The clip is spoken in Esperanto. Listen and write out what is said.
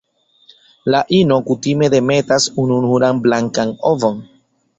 La ino kutime demetas ununuran blankan ovon.